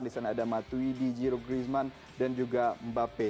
di sana ada matuidi jiro griezmann dan juga mbappe